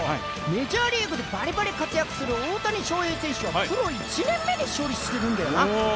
メジャーリーグでバリバリ活躍する大谷翔平選手はプロ１年目で勝利してるんだよな。